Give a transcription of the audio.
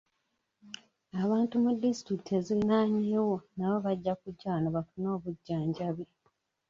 Abantu mu disitulikiti eziriraanyeewo nabo bajja kujja wano bafune obujjanjabi.